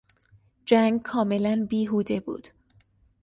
جنگ کاملا بیهوده بود.